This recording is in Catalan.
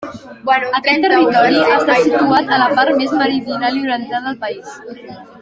Aquest territori està situat a la part més meridional i oriental del país.